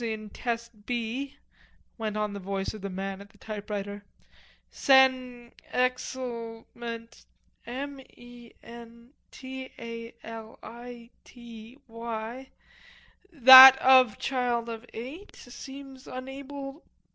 in test B," went on the voice of the man at the typewriter. "Sen... exal ment... m e n t a l i t y that of child of eight. Seems unable...